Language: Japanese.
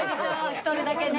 １人だけね。